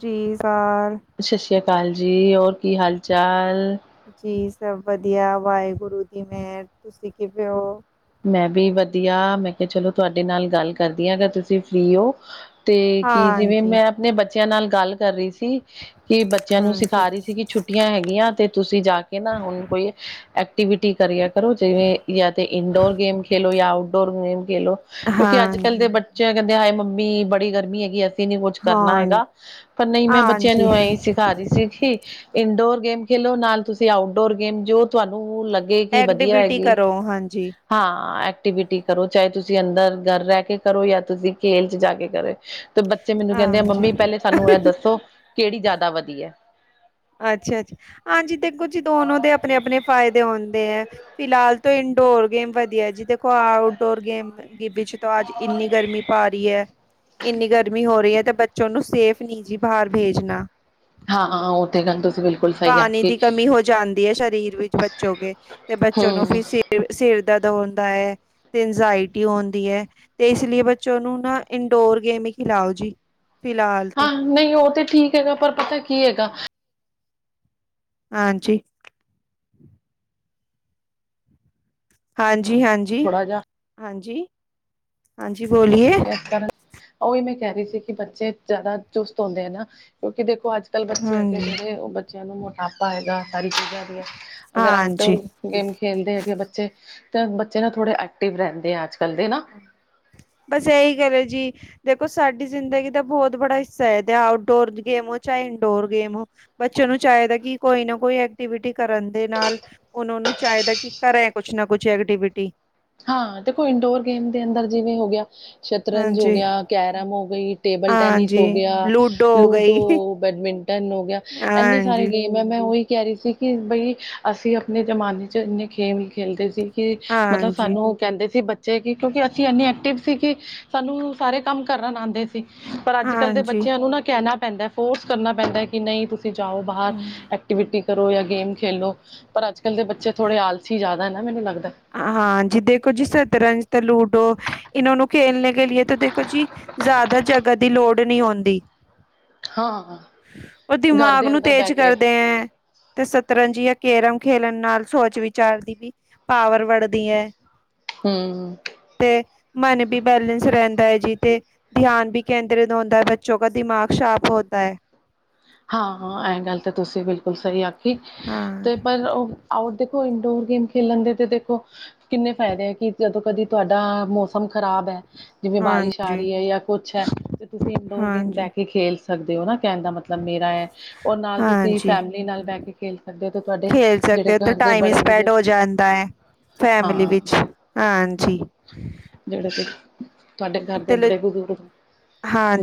ਜੀ ਸਰ ਸਤਿ ਸ਼੍ਰੀ ਅਕਾਲ ਜੀ। ਔਰ ਕੀ ਹਾਲ ਚਾਲ? ਜੀ ਸਭ ਵਧੀਆ, ਵਾਹਿਗੁਰੂ ਦੀ ਮੇਹਰ। ਤੁਸੀ ਕਿਵੇਂ ਹੋ? ਮੈਂ ਵੀ ਵਧੀਆ। ਮੈਂ ਕਿਹਾ ਚਲੋ ਤੁਹਾਡੇ ਨਾਲ ਗੱਲ ਕਰਦੀ ਹਾਂ, ਅਗਰ ਤੁਸੀ ਫ੍ਰੀ ਹੋ। ਤੇ ਕੀ ਜਿਵੇਂ, ਹਾਂਜੀ, ਮੈਂ ਆਪਨੇ ਬੱਚਿਆਂ ਨਾਲ ਗੱਲ ਕਰ ਰਹੀ ਸੀ। ਇਹੀ ਬੱਚਿਆਂ ਨੂੰ ਹਾਂਜੀ, ਸਿਖਾ ਰਹੀ ਸੀ, ਕਿ ਛੁੱਟੀਆਂ ਹੈਗੀਆਂ। ਤੇ ਤੁਸੀ ਜਾ ਕੇ ਨਾ ਓਹਨਾਂ ਕੋਲੇ ਐਕਟੀਵਿਟੀ ਕਰੀਆ ਕਰੋ, ਜਿਵੇਂ ਯਾਂ ਤੇ ਇੰਡੋਰ ਗੇਮ ਖੇਲੋ ਯਾ ਆਊਟਡੋਰ ਗੇਮ ਖੇਲੋ। ਕਿਉਂਕਿ ਅੱਜ ਕੱਲ ਦੇ ਹਾਂਜੀ, ਬ ਚੇ ਕਹਿੰਦੇ, ਹਾਏ ਮੰਮੀ ਬੜੀ ਗਰਮੀ ਹੈਗੀ ਐ। ਨਹੀਂ ਕੁੱਛ ਕਰਨਾ ਹਾਂ ਹੈਗਾ ਪਰ ਨਹੀਂ ਮੈਂ ਬੱਚਿਆਂ ਹਾਂਜੀ ਨੂੰ ਇਹੀ ਸਿਖਾ ਰਹੀ ਸੀ ਕਿ ਇਨਡੋਰ ਗੇਮ ਖੇਲੋ ਨਾਲ ਤੁਸੀਂ ਆਊਟਡੋਰ ਗੇਮ ਜੋ ਤੁਹਾਨੂੰ ਲੱਗੇ ਕਿ ਵਧੀਆ ਹੈਗੇ। ਓ ਹਾਂਜੀ। ਹਾਂ ਐਕਟੀਵਿਟੀ ਕਰੋ ਚਾਹੇ ਤੁਸੀਂ ਅੰਦਰ ਘਰ ਰਹਿ ਕੇ ਕਰੋ ਜਾਂ ਤੁਸੀਂ ਖੇਲ ਚ ਜਾ ਕੇ ਕਰੋ। ਤੇ ਬੱਚੇ ਮੈਨੂੰ ਕਹਿੰਦੇ ਆ ਹਾਂਜੀ ਮੰਮੀ ਪਹਿਲੇ ਸਾਨੂੰ ਇਹ ਦੱਸੋ ਕਿਹੜੀ ਜ਼ਿਆਦਾ ਵਧੀਆ ਏ ਅੱਛਾ ਅੱਛਾ ਹਾਂਜੀ ਦੇਖੋ ਜੀ ਦੋਨੋ ਦੇ ਆਪਣੇ ਆਪਣੇ ਫਾਇਦੇ ਹੁੰਦੇ ਆ। ਫਿਲਹਾਲ ਤੋਂ ਇੰਡੋਰ ਗੇਮ ਵਧੀਆ ਜੀ ਦੇਖੋ ਆਊਟਡੋਰ ਗੇਮ ਬੀ ਚ ਤਾਂ ਅੱਜ ਇੰਨੀ ਗਰਮੀ ਪਾ ਰਹੀ ਹੈ ਇੰਨੀ ਗਰਮੀ ਹੋ ਰਹੀ ਹੈ ਤੇ ਬ ਉਹਨੂੰ ਸੇਫ ਨੀ ਜੀ ਬਾਹਰ ਭੇਜਣਾ। ਹਾਂ ਹਾਂ ਉਹ ਤੇ ਗੱਲ ਤੁਸੀ ਬਿਲਕੁਲ ਸਹੀ ਪਾਣੀ ਆਖੀ ਦੀ ਕਮੀ ਹੋ ਜਾਂਦੀ ਹੈ ਸਰੀਰ ਵਿੱਚ ਬੱਚੋਕੇ ਤੇ ਬੱਚੋਂ ਨੂੰ ਹਮ ਫ ਤੇ ਸਿਰ ਦਾ ਦਾ ਹੁੰਦਾ ਹੈ। ਤੇ ਇੰਜਾਇਟੀ ਹੁੰਦੀ ਹੈ ਤੇ ਇਸ ਲਈ ਬੱਚੋ ਨੂੰ ਨਾ ਇਨਡੋਰ ਗੇਮ ਹੀ ਖਿਲਾਓ ਜੀ। ਫਿਲਹਾਲ ਤੋਂ ਹਾਂ ਨਹੀਂ ਉਹ ਤੇ ਠੀਕ ਹੈਗਾ, ਪਰ ਪਤਾ ਏ ਕੀ ਹੈਗਾ। ਹਾਂ ਜੀ। ਥੋੜਾ ਜਿਹਾ ਹਾਂਜੀ-ਹਾਂਜੀ-ਹਾਂਜੀ-ਹਾਂਜੀ ਬੋਲੀਏ। [unintelligible] ਓਹੀ ਮੈਂ ਕਹਿ ਰਹੀ ਸੀ, ਕਿ ਬੱਚੇ ਜਿਆਦਾ ਚੁਸਤ ਹੁੰਦੇ ਏਂ ਨਾ। ਕਿਉਂਕਿ ਦੇਖੋ ਅੱਜ ਪਰ ਬੱਚੇ ਹੈਗੇ ਹਾਂਜੀ ਜਿਹੜੇ, ਉਹ ਬੱਚਿਆਂ ਨੂੰ ਮੋਟਾਪਾ ਆਏਗਾ, [unintelligible] ਅਗਰ ਆਊਟਡੋਰ ਹਾਂਜੀ ਗੇਮ ਖੇਲਦੇ ਹੈਗੇ ਬੱਚੇ, ਤਾਂ ਬੱਚੇ ਨਾ ਥੋੜੇ ਐਕਟਿਵ ਰਹਿੰਦੇ ਐਂ ਅੱਜ ਕੱਲ੍ਹ ਦੇ ਨਾ। ਬਸ ਇਹੀ ਗੱਲ ਹੈ ਜੀ। ਦੇਖੋ ਸਾਡੀ ਜ਼ਿੰਦਗੀ ਦਾ ਬਹੁਤ ਬੜਾ ਹਿੱਸਾ ਹੈ। ਤੇ ਆਊਟਡੋਰ ਚ ਗੇਮ ਹੋ ਚਾਹੇਂ ਇੰਡੋਰ ਗੇਮ ਹੋ। ਬੱਚੇ ਨੂੰ ਚਾਹੀਦਾ ਕਿ ਕੋਈ ਨਾ ਕੋਈ ਐਕਟੀਵਿਟੀ ਕਰਨ ਦੇ ਨਾਲ ਉਹਨਾਂ ਨੂੰ ਚਾਹੀਦਾ ਕਿ ਕਰੇ, ਕੁਛ ਨਾ ਕੁਛ ਐਕਟੀਵਿਟੀ। ਹਾਂ! ਦੇਖੋ ਇੰਡੋਰ ਗੇਮ ਦੇ ਅੰਦਰ ਜਿਵੇਂ ਹੋ ਗਿਆ। ਸ਼ਤਰੰਜ ਹੋ ਹਾਂਜੀ, ਗਿਆ, ਕੈਰਮ ਹੋ ਗਈ, ਟੇਬਲ ਟੈਨਿਸ ਹੋ ਹਾਂਜੀ ਗਿਆ, ਲੂਡੋ ਹੋ ਲੂਡੋ। ਗਈ। ਬੈਡਮਿੰਟਨ ਹੋ ਗਿਆ, ਇੰਹਨੇ ਸਾਰੇ ਹਾਂਜੀ, ਗੇਮ ਵੇ ਮੈਂ ਉਹੀ ਕਹਿ ਰਹੀ ਸੀ, ਕਿ ਬਈ ਅਸੀਂ ਆਪਨੇ ਜਮਾਨੇ ਚ ਇੰਨੇ ਖੇਲ ਖੇਲਦੇ ਸੀ। ਕੀ [unintelligible] ਹਾਂਜੀ, ਕਹਿੰਦੇ ਸੀ ਬੱਚੇ ਕਿ ਕਿਉਂਕਿ ਅਸੀਂ ਇਹਨੇ ਐਕਟਿਵ ਸੀ ਕਿ ਸਾਨੂੰ ਸਾਰੇ ਕੰਮ ਕਰਨ ਆਉਂਦੇ ਸੀ। ਪਰ ਅੱਜ ਕੱਲ ਦੇ ਹਾਂਜੀ। ਬੱਚਿਆਂ ਨੂੰ ਨਾ ਕਹਿਣਾ ਪੈਂਦਾ ਏ। ਫੋਰਸ ਕਰਨਾ ਪੈਂਦਾ ਏ ਕਿ ਨਹੀਂ ਤੁਸੀਂ ਜਾਓ ਬਾਹਰ। ਐਕਟੀਵਿਟੀ ਕਰੋ ਯਾ ਗੇਮ ਖੇਲੋ ਪਰ ਅੱਜ ਕੱਲ ਦੇ ਬੱਚੇ ਥੋੜੇ ਆਲਸੀ ਜਿਆਦਾ ਹੈ ਨਾ ਮੈਨੂੰ ਲੱਗਦਾ ਏ। ਹਾਂ ਜਿਹਦੇ ਕੋ ਜਿਸ ਤਰਾਂ ਤੇ ਲੂਡੋ। ਇਹਨਾ ਨੂੰ ਖੇਲਨੇ ਕੇ ਲੀਏ ਤੇ ਦੇਖੋ ਜੀ ਜ਼ਿਆਦਾ ਜਗਹ ਦੀ ਲੋੜ ਨਹੀਂ ਹੁੰਦੀ। ਹਾਂ ਉਹ ਘਰ ਦਿਮਾਗ ਦੇ ਨੂੰ ਅੰਦਰ ਬਹਿ ਤੇਜ ਕੇ ਕਰਦੇ ਹੈ। ਤੇ ਸ਼ਤਰੰਜ ਯਾ ਕੈਰਮ ਖੇਲਨ ਨਾਲ ਸੋਚ ਵਿਚਾਰ ਦੀ ਵੀ ਪਾਵਰ ਵੜਦੀ ਹੈ। ਹੂ,,, ਤੇ ਮਨੇ ਵੀ ਬੈਲੇੈਂਸ ਰਹਿੰਦਾ ਹੈ ਜੀ। ਤੇ ਧਿਆਨ ਵੀ ਕੇਂਦਰਿਤ ਹੁੰਦਾ ਹੈ ਬੱਚੋਂ ਕ ਦਿਮਾਗ ਸ਼ਾਰਪ ਹੋਤਾ ਹੈ। ਹਾਂ ਹਾਂ ਇਹ ਗੱਲ ਤਾਂ ਤੁਸੀਂ ਬਿਲਕੁਲ ਸਹੀ ਆਖੀ ਹਾਂ, ਤੇ ਪਰ ਉਹ ਆਊਟ ਦੇਖੋ ਇੰਡੋਰ ਗੇਮ ਖੇਲਣ ਦੇ ਤੇ ਦੇਖੋ ਕਿੰਨੇ ਫਾਇਦੇ ਹੈ ਕਿ ਜਦੋਂ ਕਦੀ ਤੁਹਾਡਾ ਮੌਸਮ ਖ਼ਰਾਬ ਹੈ। ਜਿਵੇਂ ਬਾਰਿਸ਼ ਆ ਹਾਂਜੀ, ਰਹੀ ਹੈ ਜਾਂ ਕੁਛ ਹੈ ਤੇ ਤੁਸੀਂ ਇਨਡੋਰ ਗੇਮ ਬਹਿ ਹਾਂਜੀ, ਕੇ ਖੇਲ ਸਕਦੇ ਹੋ ਨਾ ਕਹਿਣ ਦਾ ਮਤਲਬ ਮਤਲ ਮੇਰਾ ਹੈ ਉਹ ਨਾਲ ਤੁਸੀਂ ਹਾਂਜੀ। ਫੈਮਿਲੀ ਨਾਲ ਬਹਿ ਕੇ ਖੇਲ ਸਕਦੇ ਹੋ ਤੇ ਤੁਹਾਡੇ ਖੇਲ ਜਿਹੜੇ ਸਕਦੇ ਹੋ ਘਰ ਦੇ ਟਾਈਮ ਹੀ ਬੜੇ ਸਪੈਂਡ ਬਜ਼ੁਰਗ ਹੋ ਜਾਂਦਾ ਹੈ ਫੈਮਲੀ ਹਾਂ ਵਿੱਚ ਹਾਂ ਹਾਂਜੀ ਜਿਹੜੇ ਕਿ ਤੁਹਾਡੇ ਘਰ ਦੇ ਤੇ ਲ ਬੜੇ ਬਜ਼ੁਰਗ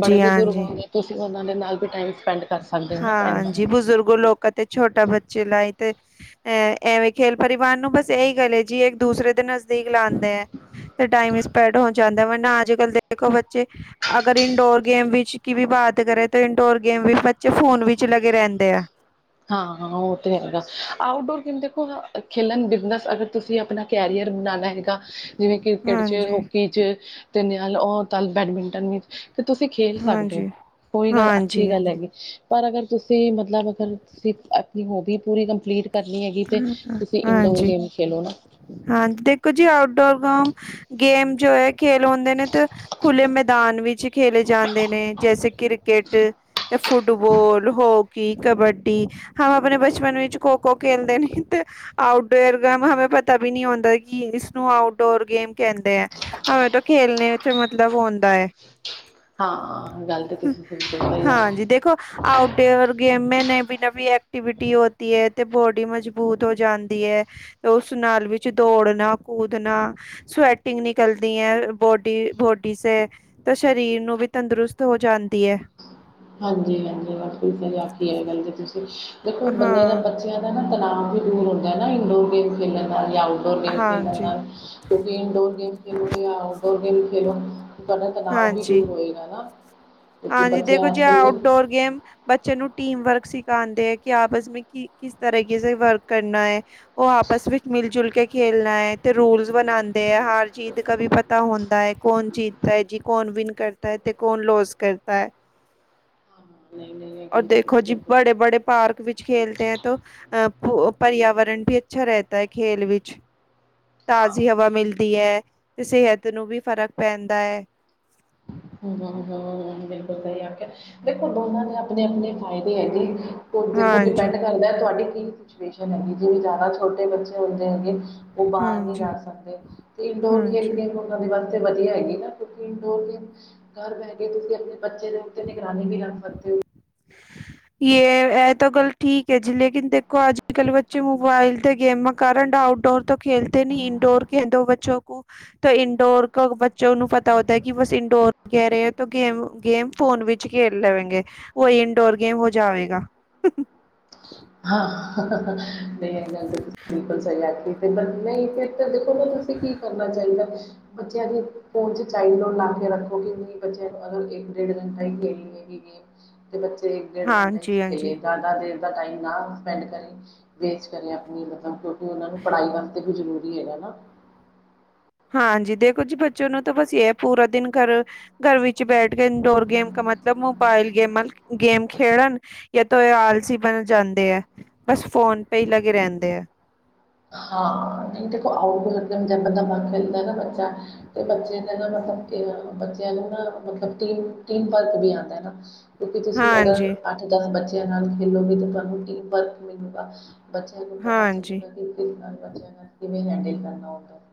ਬੜੇ ਬਜ਼ੁਰਗ ਹਾਂਜੀ ਆਉਦੇ ਤੁਸੀਂ ਉਹਨਾਂ ਦੇ ਨਾਲ ਵੀ ਟਾਈਮ ਸਪੈਂਡ ਕਰ ਸਕਦੇ ਹੋ ਨਾ ਕਹਿਣ ਦਾ ਹਾਂਜੀ ਬਜ਼ੁਰਗ ਲੋਕ ਤੇ ਛੋਟਾ ਬੱਚੇ ਲਾਈ ਤੇ ਅ ਐਵੇਂ ਖੇਲ ਪਰਿਵਾਰ ਨੂੰ ਬਸ ਇਹੀ ਗੱਲ ਹੈ ਜੀ ਇੱਕ ਦੂਸਰੇ ਦੇ ਸੀਖ ਲੈਂਦੇ ਹੈ ਤੇ ਟਾਈਮ ਸਪੈਡ ਹੋ ਜਾਂਦਾ। ਵਰਨਾ ਅੱਜ ਕੱਲ ਦੇ ਦੇਖੋ ਬੱਚੇ। ਅਗਰ ਇੰਡੋਰ ਗੇਮ ਵਿਸ਼ ਕੀ ਵੀ ਬਾਤ ਕਰੇ ਤੇ ਇੰਡੋਰ ਗੇਮ ਵੀ ਬੱਚੇ ਫੋਨ ਵਿੱਚ ਹੀ ਲੱਗੇ ਰਹਿੰਦੇ ਹੈ। ਹਾਂ-ਹਾਂ ਉਹ ਤੇ ਹੈਗਾ। ਆਊਟਡੋਰ ਗੇਮ ਦੇਖੋ ਆਹ ਖੇਲਨ ਬਿਜਨਸ ਅਗਰ ਤੁਸੀ ਆਪਨਾ ਕੈਰੀਅਰ ਬਣਾਉਣਾ ਹੈ। ਤਾਂ, ਜਿਵੇਂ ਕ੍ਰਿਕਟ ਚ, ਹਾਂਜੀ ਹੋਕੀ ਚ, ਤੇ ਨਿਆਲੇ ਔਰ [unintelligible] ਬੈਡਮਿੰਟਨ ਵੀ। ਕਿ ਤੁਸੀ ਖੇਲ ਸਕਦੇ ਹੋ ਹਾਂਜੀ ਓਹ ਵੀ ਗੱਲ ਹਾਂਜੀ ਅੱਛੀ ਗੱਲ ਹਾਂਜੀ ਹੈਗੀ। ਪਰ ਅਗਰ ਤੁਸੀਂ ਮਤਲਬ ਅਗਰ ਸਿਰਫ ਆਪਨੀ ਹੋਬੀ ਪੂਰੀ ਕੰਪਲੀਟ ਕਰਨੀ ਹੈਗੀ, ਤੇ ਹਾਂ- ਹਾਂ- ਤੁਸੀ ਇਨਡੋਰ ਗੇਮ ਖੇਲੋ ਨਾ। ਹਾਂਜੀ, ਦੇਖੋ ਜੀ ਆਊਟਡੋਰ ਗਮ। ਗੇਮ ਜੋ ਹੈ, ਖੇਲ ਹੁੰਦੇ ਨੇ ਤੇ ਖੁੱਲੇ ਮੈਦਾਨ ਵਿੱਚ ਹੀ ਖੇਲੇ ਜਾਂਦੇ ਨੇ। ਜੈਸੇ ਕ੍ਰਿਕੇਟ ਤੇ ਫੁੱਟਬੋਲ, ਹੋਕੀ, ਕਬੱਡੀ, ਹਾਂ ਹਾਂ ਆਪਨੇ ਬਚਪਨ ਵਿੱਚ ਖੋ-ਖੋ ਕਹਿੰਦੇ, ਨਹੀਂ ਤੇ ਆਊਟਡੋਰ ਗੇਮ, ਹਮੇ ਪਤਾ ਵੀ ਨਹੀਂ ਹੁੰਦਾ ਏ ਕਿ ਇਸਨੂੰ ਆਊਟਡੋਰ ਗੇਮ ਕਹਿੰਦੇ ਹੈ। ਹੂ ਤੋਂ ਖੇਲਣੇ ਸੇ ਮਤਲਬ ਹੁੰਦਾ ਹੈ। ਹਾਂ ਗੱਲ ਤੇ ਤੁਸੀਂ ਬਿਲਕੁਲ ਸਹੀ ਕਹੀ ਆ ਹਾਂਜੀ ਦੇਖੋ ਆਓ ਆਊਟਡੋਰ ਗੇਮ ਮੈਂ ਨਵੀਂ ਨਵੀਂ ਐਕਟੀਵਿਟੀ ਹੋਤੀ ਹੈ। ਤੇ ਬੋਡੀ ਮਜ਼ਬੂਤ ਹੋ ਜਾਂਦੀ ਹੈ ਤੇ ਉਸ ਨਾਲ ਵਿੱਚ ਦੌੜਨਾ ਕੂਦਨਾ ਸਵੈਟਿੰਗ ਨਿਕਲਦੀ ਹੈ ਬੋਡੀ ਬੋਡੀ ਸੇ ਤੇ ਸਰੀਰ ਨੂੰ ਵੀ ਤੰਦਰੁਸਤ ਹੋ ਜਾਂਦੀ ਹੈ। ਹਾਂਜੀ ਹਾਂਜੀ ਆਖੀ ਇਹ ਗੱਲ ਤੁਸੀਂ ਦੇਖੋ ਬੰਦੇ ਦਾ ਹਾਂ ਬੱਚਿਆਂ ਨਾ ਤਣਾਵ ਵੀ ਦੂਰ ਹੁੰਦਾ ਨਾ ਇੰਡੋਰ ਗੇਮ ਖੇਡਣ ਨਾਲ ਜਾਂ ਆਊਟਡੋਰ ਗੇਮ ਹਾਂ ਖੇਡਣ ਜੀ ਨਾਲ [inaudible] ਤੁਸੀਂ ਇੰਨਡੋਰ ਗੇਮ ਖੇਲੋ ਆਊਟਡੋਰ ਗੇਮ ਖੇਲੋ ਤੁਹਾਡੇ ਤਾਂ ਹਾਂ ਨਾਮ ਵੀ ਜੀ ਦੂਰ ਹੋਏਗਾ ਨਾ ਬੱਚੇ [inaudible] ਜੇ ਦੇ ਆਊਟਡੋਰ ਗੇਮ ਬੱਚੇ ਨੂੰ ਟੀਮ ਵਰਕ ਸਿਖਾਂਦੇ ਹੈ ਕਿ ਆਪਸ ਮੇ ਕਿ ਕਿਸ ਤਰੀਕੇ ਸੇ ਵਰਕ ਕਰਨਾ ਹੈ। ਉਹ ਆਪਸ ਵਿੱਚ ਮਿਲ ਜੁਲ ਕੇ ਖੇਲਨਾ ਹੈ ਤੇ ਰੂਲਸ ਬਣਾਉਂਦੇ ਐ ਹਾਰ ਜੀਤ ਕਾ ਵੀ ਪਤ ਤਾਂ ਹੁੰਦਾ ਹੈ ਕੌਣ ਜੀ ਤੇ ਜੀ ਕੋਣ ਵਿਨ ਕਰਤਾ ਹੈ ਤੇ ਕੋਨ ਲੋਸ ਕਰਤਾ ਹੈ। ਨਹੀਂ ਉਰ ਗੱਲ ਤਾਂ ਦੇਖੋ ਤੁਸੀਂ ਜੀ ਬਿਲਕੁਲ ਬੜੇ - ਬੜੇ ਪਾਰਕ ਵਿੱਚ ਖੇਲਤੇ ਹੈ ਤੋਂ ਅਹ ਪਰਿਆਵਰਨ ਵੀ ਅੱਛਾ ਰੈਤਾ ਹੈ ਖੇਲ ਵਿੱਚ ਹਾਂ ਤਾਜ਼ੀ ਹਵਾ ਮਿਲਦੀ ਹੈ ਤੇ ਸੇਹਤ ਨੂੰ ਵੀ ਫ਼ਰਕ ਪੈਂਦਾ ਹੈ। ਹ ਕੁ [inaudible] ਦੇਖੋ ਦੋਨਾਂ ਦੇ ਆਪਣੇ- ਆਪਣੇ ਫਾਇਦੇ ਹੈਗੇ। ਦੇਖੌ ਹਾਂਜੀ ਡੇਪੇਂਡ ਕਰਦਾ ਤੁਹਾਡੀ ਕੀਨਿਕ ਸਿਤੂਏਸ਼ਨ ਹੈਗੀ ਜਿਵੇਂ ਜ਼ਿਆਦਾ ਛੋਟੇ ਬੱਚੇ ਹੁੰਦੇ ਹੈਗੇ ਉਹ ਬਾਹਰ ਨਹੀਂ ਹਾਂਜੀ ਜਾ ਸਕਦੇ ਤੇ ਇੰਡੋਰ ਹਾਂਜੀ ਖੇਲ ਦੇਖੋ ਵਾਸਤੇ ਵਧੀਆ ਹੈਗੀ ਨਾਂ ਕਿਉਂਕਿ ਇੰਡੋਰ ਗੇਮ ਘਰ ਬਹਿ ਕੇ ਤੁਸੀਂ ਆਪਣੇ ਬੱਚੇ ਨੂੰ ਤੇ ਨਿਗਰਾਨੀ ਵੀ ਰੱਖ ਸਕਦੇ ਹੋ। ਯਅ ਇਹ ਤਾਂ ਗੱਲ ਠੀਕ ਹੈ ਜੀ ਲੇਕਿਨ ਦੇਖੋ ਅੱਜ ਕੱਲ੍ਹ ਬੱਚੇ ਮੋਬਾਇਲ ਤੇ ਗੇਮਾਂ ਕਾਰੰਟ ਆਊਟ ਡੋਰ ਤੋ ਖੇਲਤੇ ਨੀ ਇੰਡੋਰ ਕੇ ਦੋ ਬੱਚੋਂ ਕੋ [unintelligible] ਤੋ ਇੰਡੋਰ ਕੋ ਬੱਚੇ ਨੂੰ ਪਤਾ ਹੋਤਾ ਕਿ ਬਸ ਇੰਡੋਰ ਕਹਿ ਰੇ ਐ ਤੋ ਗੇਮ ਫੋਨ ਵਿੱਚ 'ਚ ਖੇਲ ਲਵੇਗੇਂ ਵੋਈ ਇਨਡੋਰ ਗੇ਼ਮ ਹੋ ਜਾਵੇਗਾ। ਹਾਂ ਨਹੀਂ ਇਹ ਗੱਲ ਤੇ ਤੁਸੀਂ ਬਿਲਕੁਲ ਸਹੀ ਆਖੀ ਨਹੀਂ [unintelligible] [inaudible] ਫ਼ਿਰ ਦੇਖੋ ਨਾ ਤੁਸੀਂ ਕੀ ਕਰਨਾ ਚਾਹੀਦਾ ਹੈ ਬੱਚਿਆਂ ਦੀ ਫੋਨ ਚ ਚਾਈਲਡ ਲੋਕ ਲਾ ਕੇ ਰੱਖੋ ਕਿ ਨਹੀਂ ਬੱਚਿਆਂ ਨੂੰ ਅਗਰ ਇੱਕ ਡੇਢ ਘੰਟਾ ਹੀ ਖ਼ੇਲ ਗੇਮ ਤੇ ਬੱਚੇ ਇੱਕ ਡੇਢ ਘੰਟਾ ਹੀ ਹਾਂਜੀ ਖੇਲੇ ਹਾਂਜੀ ਜ਼ਿਆਦਾ ਦੇਰ ਦਾ ਟਾਈਮ [unintelligible] ਨਾ ਸਪੈਂਡ ਕਰਨ ਵੇਸਟ ਕਰੇ ਆਪਣੀ ਮਤਲਬ ਕਿਉਂਕਿ ਉਹਨਾਂ ਨੂੰ ਪੜ੍ਹਾਈ ਵਾਸਤੇ ਵੀ ਜ਼ਰੂਰੀ ਹੈਗਾ ਐ ਨਾ [unintelligible] ਹਾਂਜੀ ਦੇਖੋ ਜੀ ਬੱਚੇ ਨੂੰ ਤਾਂ ਬਸ ਇਹ ਹੈ ਪੂਰਾ ਦਿਨ ਘਰ ਗਰ ਵਿੱਚ ਬੈਠ ਕੇ ਇੰਡੋਰ ਗੇ਼ਮ ਕਾ ਮਤਲਬ ਮੋਬਾਇਲ ਗੇਮਾਂ ਗੇਮ ਖੇਡਨ। ਯਾ ਤੋ ਇਹ ਆਲਸੀ ਬਣ ਜਾਂਦੇ ਐ ਬਸ ਫੋਨ ਪੇ ਈ ਲਗੇ ਰਹਿੰਦੇ ਐ। ਹਾਂ ਨਹੀਂਖ ਆਊਡੋਰ ਬੰਦਾ ਬ ਖਦਾ [inaudible] ਤੇ ਬੱਚੇ ਨੇ ਨਾ ਮਤਲਬ ਕਿ ਬੱਚਿਆਂ ਨੂੰ ਨਾ ਟੀਮ ਵਰਕ ਵੀ ਆਉਂਦਾ ਐ ਨਾ ਕਿਉਕਿ ਤੁਸੀਂ ਅਗਰ ਹਾਂਜੀ ਦਸ ਬੱਚਿਆਂ ਨਾਲ ਖੇਲੋਗੇ ਤੇ ਤੁਹਾਨੂੰ ਟੀਮ ਵਰਕ ਮਿਲੁਗਾ ਬੱਚਿਆਂ ਨੂੰ ਪਤਾ ਹਾਂਜੀ ਚਲੇਗਾ ਨਾਲ ਬਵੇਜ ਹੈਡਲ ਕਰਨਾ [inaudible]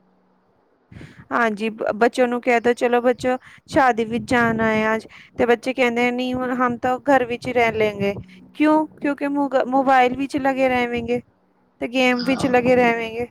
ਹਾਂਜੀ ਬਚਿਆ ਨੂੰ ਕਹਿ ਦੋ ਚਲੋ ਬੱਚੋ ਸ਼ਾਦੀ ਵਿੱਚ ਜਾਣਾਏ ਅੱਜ ਤੇ ਬੱਚੇ ਕਹਿੰਦੇ ਨਹੀਂ ਹੁ ਹਮ ਤਾਂ ਘਰ ਵਿੱਚ ਹੀ ਰਹਿ ਲੈਂਗੇ। ਕਿਉਂ ਕਿਉਂਕਿ ਮੋਗ ਮੋਬਾਇਲ ਵਿੱਚ ਲਗੇ ਰਹਿਵੇਂਗੇ ਤੇ ਗੇਮ ਵਿਚ ਹਾਂ। ਲਗੇ ਰਹਿਵੇਂਗੇ।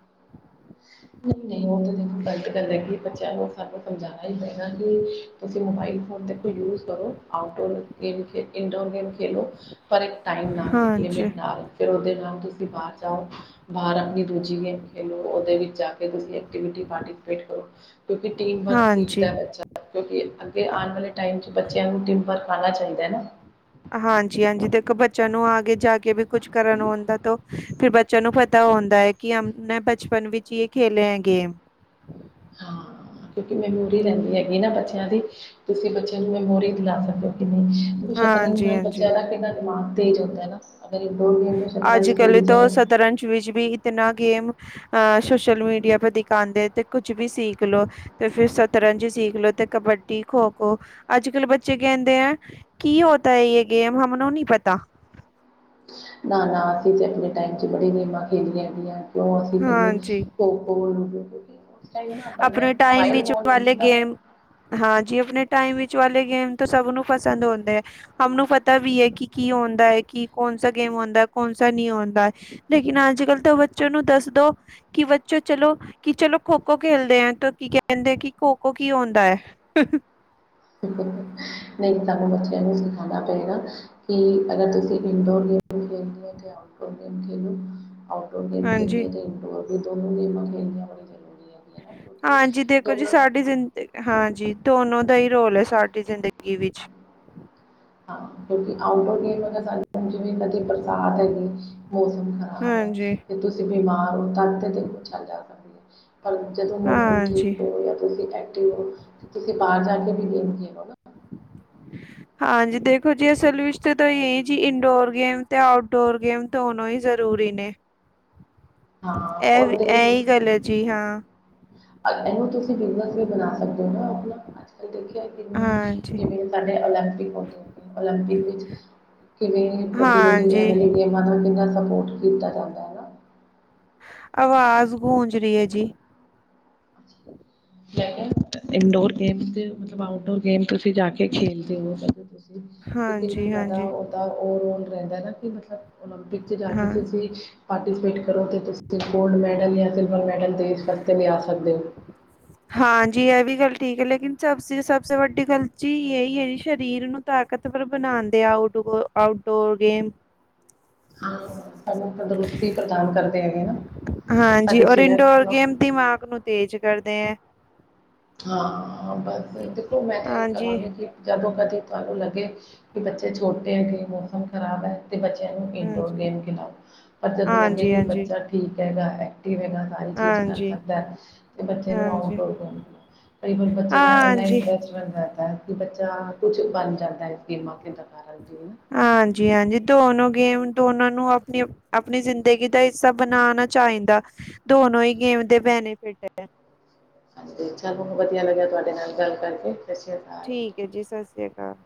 ਨਹੀਂ ਨਹੀਂ ਉਹ ਤਾਂ ਦੇਖੋ ਗਲਤ ਗੱਲ ਹੈ ਕਿ ਬੱਚਿਆਂ ਨੂੰ ਸਾਨੂੰ ਸਮਝਾਨਾ ਹੀ ਪੈਣਾ ਹੈ ਕਿ ਤੁਸੀਂ ਮੋਬਾਈਲ ਫ਼ੋਨ ਦਦੇਖੋ ਯੂਜ ਕਰੋ ਆਊਟਡੋਰ ਗੇਮ ਖੇ ਇਨਡੋਰ ਗੇਮ ਖੇਲੋ ਪਰ ਇੱਕ ਟਾਈਮ ਨਾਲ ਇੱਕ ਲਿਮਿਟ ਹਾਂਜੀ ਨਾਲ ਫੇਰ ਉਹਦੇ ਨਾਲ ਤੁਸੀਂ ਬਾਹਰ ਜਾਓ ਬਾਹਰ ਆਪਣੀ ਦੂਜੀ ਗੇਮ ਖੇਲੋ ਉਹਦੇ ਵਿੱ ਜਾਕੇ ਤੁਸੀਂ ਐਕਟੀਵਿਟੀ ਪਰਤੀਸਪੇਟ ਕਰੋ ਤਲ ਕਿਉਂਕਿ ਟੀਮ ਸੀਖਤਾ ਹਾਂਜੀ ਹੈ ਬਚਾ ਕਿਉਂਕਿ ਅੱਗੇ ਅ- ਆਣ ਵਾਲੇ ਟਾਈਮ ਚ ਬੱਚਿਆਂ ਨੂੰ ਟੀਮ ਵਰਕ ਆਣਾ ਚਾਹੀਦਾ ਹੈ ਨਾ? ਹਾਂਜੀ-ਹਾਂਜੀ ਦੇਖੋ ਬੱਚਿਆਂ ਨੂੰ ਆਗੇ ਜਾਕੇ ਵੀ ਕੁੱਛ ਕਰਨ ਆਉਂਦਾ ਤੋ ਫ਼ਿਰ ਬੱਚਿਆਂ ਨੂੰ ਪਤਾ ਹੁੰਦਾ ਐ। ਕਿ ਅਮ ਮੈਂ ਬਚਪਨ ਵਿੱਚ ਈ ਏਲ ਖੇਲੇ ਹੈ ਗੇ਼ਮ। ਹਾਂ ਕਿਉਂਕਿ ਮੈਮੋਰੀ ਰਹਿੰਦੀ ਹੈਗੀ ਹੈ ਕਿ ਨਾ ਬੱਚਿਆਂ ਦੀ ਤੁਸੀਂ ਬੱਚਿਆਂ ਨੂੰ ਮੈਮੋਰੀ ਦਿਲਾ ਸਕਦੇ ਹੋ। [unintelligible] ਹੂੰ ਸ਼ਤਰੰਜ ਹਾਂਜੀ ਨਾਲ਼ ਹਾਂਜੀ ਬੱਚਿਆਂ ਦਾ ਕਿੰਨਾ ਦਿਮਾਗ਼ ਤੇਜ਼ ਹੁੰਦਾ ਨਾ? ਅਗਰ ਇੱਕ-ਦੋ ਸ਼ਤਰਾਂਜ ਖੇਲੀ ਜਾਏ। [inaudible] ਵਿੱਚ ਵੀ ਇਤਨਾ ਗੇਮ ਅ ਸੋਸ਼ਲ ਮੀਡੀਆ ਪਰ ਦਿਖਾਂਦੇ ਤੇ ਕੁਛ ਵੀ ਸੀਖ ਲੋ। ਤੇ ਫ਼ੇਰ ਸਤਰੰਜ ਸੀਖ ਲਓ ਤੇ ਕਬੱਡੀ, ਖੋ-ਖੋ ਅੱਜ-ਕੱਲ੍ਹ ਬੱਚੇ ਕਹਿੰਦੇ ਐ ਕੀ ਹੋਤਾ ਐ ਯੇ ਗੇ਼ਮ ਹਮਨੂੰ ਨੀ ਪਤਾ। ਨਾ ਨਾ ਅਸੀਂ ਤੇ ਆਪਣੇ ਟੈਮ 'ਚ ਬੜੀਆਂ ਗੇਮਾਂ ਖੇਡੀਆਂ ਹੈਗੀਆਂ। ਉਸੀਪ ਹਾਂਜੀ [unintelligible] ਆਪਣੇ ਟਾਈਮ ਵਿੱਚ ਵਾਲੇ ਸੀ ਨਾ ਗੇ਼ਮ ਹਾਂਜੀ ਆਪਣੇ ਟਾਈਮ ਵਿੱਚ ਵਾਲੇ ਗੇ਼ਮ ਤੋ ਸਭ ਨੂੰ ਪਸੰਦ ਹੁੰਦੇ ਐ। ਹਮਨੂੰ ਪਤਾ ਵੀ ਐ ਕਿ ਕੀ ਆਉਂਦਾ ਹੈ ਕਿ ਕੌਣਸਾ ਗੇ਼ਮ ਆਉਂਦਾ ਹੈ ਕੌਣਸ ਨਈਂ ਆਉਂਦਾ। ਲੇਕਿਨ ਅੱਜ-ਕੱਲ ਤੋ ਬੱਚੋ ਨੂੰ ਦੱਸ ਦੋ ਕਿ ਬੱਚੋ ਚਲੋ ਕਿ ਚਲੋ ਖੋ-ਖੋ ਖੇਲਦੇ ਐਂ ਤੇ ਕੀ ਕਹਿੰਦੇ ਕਿ ਖੋ-ਖੋ ਕੀ ਹੁੰਂਦਾ ਐ। ਨਹੀਂ ਸਾਨੂੰ ਬੱਚਿਆਂ ਨੂੰ ਸਿਖਾਉਣਾ ਪਏਗਾ। ਕਿ ਅਗਰ ਤੁਸੀਂ ਇੰਡੋਰੇ ਖੇਲਦੇ ਓ ਤੇ ਆਊਟਡੋਰ ਗੇਮ ਖੇਲੋ। ਰ ਗੇਮ ਹਾਂਜੀ ਖੇਲਣੀਆਂ ਇੰਡੋਰ ਵੀ ਦੋੋ ਗੇਮਾਂ ਖੇਣੀਆਂ ਬ [unintelligible] ਹਾਂਜੀ, ਦੇਖੋ ਜੀ ਸਾਡੀ ਜ਼ਿੰਦ ਹਾਂਜੀ, ਦੋਨੋ ਦਾ ਈ ਰੋਲ ਐ ਸਾਡੀ ਜ਼ਿੰਦਗੀ ਵਿੱਚ। ਹਾਂ ਕਿਉਂਕਿ ਆਊਟਡੋਰ ਗੇਮ ਵਗ ਪ੍ਰਸਾਦ ਹੈ [unintelligible] ਮੌਸਮ ਖ਼ਰਾਬ ਐ ਅੱਜ ਹਾਂਜੀ ਜੇ ਤੁਸੀਂ ਬਿਮਾਰ ਓ ਤਰ [unintelligible] ਛੱਲ ਜਾ ਸਕਦੇ। ਪਰ ਜਦੋਂ ਮੌਸਮ ਹਾਂਜੀ ਠੀਕ ਹੋਵੇ ਜਾਂ ਤੁਸੀਂ ਐਕਟਿਵ ਹੋ ਤੁਸੀਂ ਬਾਰ ਜਾ ਕੇ ਵੀ ਦੇਖਦੇ ਹੋ ਨਾ? [inaudible] ਹਾਂਜੀ ਦੇਖੋ ਜੀ ਅਸਲ ਵਿੱਚ ਤਾਂ ਤਾਂ ਇਈ ਜੀ ਇਨਡੋਰ ਗੇਮ ਤੇ ਆਊਟਡੋਰ ਗੇਮ। ਦੋਨੋ ਈ ਜ਼ਰੂਰੀ ਨੇ। [inaudible] ਇਹ ਔਰ ਵੀ ਦੇਖੋ ਐਈ ਗੱਲ ਐ ਜੀ ਹਾਂ। ਇਹਨੂੰ ਤੁਸੀਂ ਬਿਜ਼ਨਸ ਵੀ ਬਣਾ ਸਕਦੇ ਹੋ ਆਪਣਾ ਦੇਖਿਆ ਕਿ ਹਾਂਜੀ ਜਿਵੇਂ ਸਾਡੇ ਓਲੰਪਿਕ ਹੋਦੇ ਓਲੰਪਿਕ ਵਿੱਚ ਕਿਵੇ ਵੱਡੀ ਵਡੀ ਅਹ ਹਾਂਜੀ ਵਾਲੀ ਗੇਮਾ ਨਾਲ ਸਪੋਰਟ ਕੀਤਾ ਜਾਂਦਾ ਹੈ। ਨਾ ਆਵਾਜ਼ ਗੂੰਜ ਰਹੀ ਹੈ ਜੀ ਇੰਡੋਰ ਗੇਮ ਦੇ ਮਤਲਬ ਆਊਟਡੋਰ ਗੇਮ ਤੁਸੀਂ ਜਾ ਕੇ ਖੇਲਦੇ ਹੋ ਤੇ ਕਿੰਨਾ ਹਾਂਜੀ ਜ਼ਿਆਦਾ ਹਾਂਜੀ ਉਹਦਾ ਉਹ ਰੋਲ ਰਹਿੰਦਾ ਨਾ ਕਿ ਮਤਲਬ ਓਲੰਪਿਕ 'ਚ ਜਾ ਕੇ ਹਾਂ ਤੁਸੀਂ ਪਾਰਟੀਸਪੇਟ ਕਰੋ ਅਤੇ ਤੁਸੀਂ ਗੋਲਡ ਮੈਡਲ ਜਾਂ ਸਿਲਵਰ ਮੈਡਲ ਦੇਸ਼ ਵਾਸਤੇ ਵੀ ਆ ਸਕਦੇ ਹੋ। ਹਾਂਜੀ ਐ ਵੀ ਗੱਲ ਠੀਕ ਐ ਲੇਕਿਨ ਸਬਸ ਸਭ ਸੇ ਵੱਡੀ ਗਲ ਜੀ ਯੲਈ ਐ ਸਰੀਰ ਨੂੰ ਤਾਕਤਵਰ ਬਣਾਂਦੇ ਆਊੋਟ ਆਊਟਡੋਰ ਗੇ਼ਮ। ਹਾਂ ਸਾਨੂੰ ਤੰਦਰੁਸਤੀ ਪ੍ਰਦਾਨ ਕਰਦੇ ਹੈਗੇ ਨਾ, ਸਾਡੀ ਸਿਹਤ ਦਿਮਾਗ਼ ਨੂੰ ਤੇਜ਼ ਕਰਦੇ ਐਂ। ਹਾਂ ਬਸ ਦੇਖੋ ਮੈਂ ਤਾਂ ਇਹੀ ਹਾਂਜੀ ਕਵਾਂਗੀ ਕਿ ਜਦੋਂ ਕਦੀ ਤੁਹਾਨੂੰ ਲੱਗੇ ਕਿ ਬੱਚੇ ਛੋਟੇ ਹੈਗੇ ਮੌਸਮ ਖ਼ਰਾਬ ਐ। ਤੇ ਬੱਚਿਆਂ ਨੂੰ ਇਨਡੋਰ ਹਾਂਜੀ ਗੇ਼ਮ ਖਿਲਾਓ ਪਰ ਜਦੋਂ ਲੱਗੇ ਹਾਂਜੀ ਕਿ ਹਾਂਜੀ ਬੱਚਾ ਠੀਕ ਹੈਗਾ ਐਕਟਿਵ ਹੈਗਾ। ਸਾਰੀ ਚੀਜ਼ ਕਰ ਹਾਂਜੀ ਸਕਦਾ ਤੇ ਬੱਚੇ ਨੂੰ ਹਾਂਜੀ ਆਊਟਡੋਰ ਗੇਮ ਬੱਚੇ ਦਾ ਇੰਨਾ ਹਾਂਜੀ ਇੰਟਰਸਟ ਕਿ ਬੱਚਾ ਕੁਛ ਬਣ ਜਾਂਦਾ ਗੇਮਾਂ ਖੇਡਣ ਨਾਲ਼ ਹਾਂਜੀ ਹਾਂਜੀ ਧੋਨੋ ਗੇਮ ਤੋਂ ਉਹਨਾਂ ਨੂੰ ਆਪਣੀ ਆਪਣੀ ਜ਼ਿੰਦਗੀ ਦਾ ਹਿੱਸਾ ਬਣਾਣਾ ਚਾਹੀਦਾ ਦੋਨੋ ਹੀ ਗੇਮ ਦੇ ਬੈਨੀਫਿਟ ਹੈ। ਹਾਂਜੀ ਇੱਛਾ ਬਹੁਤ ਵਧੀਆ ਲੱਗਿਆ ਤੁਹਾਡੇ ਨਾਲ ਗੱਲ ਕਰਕੇ ਸਤਿ ਸ਼੍ਰੀ ਅਕਾਲ ਠੀਕ ਹੈ ਜੀ ਸਤਿ ਸ੍ਰੀ ਅਕਾਲ